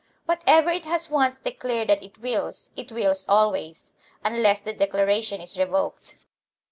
What ever it has once declared that it wills, it wills always, unless the declaration is revoked.